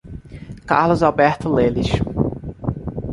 Carlos Alberto Leles